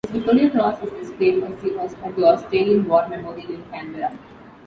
His Victoria Cross is displayed at the Australian War Memorial in Canberra.